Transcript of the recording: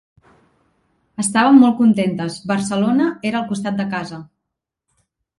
Estàvem molt contentes, Barcelona era al costat de casa.